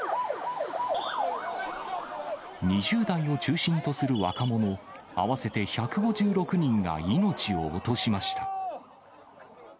２０代を中心とする若者、合わせて１５６人が命を落としました。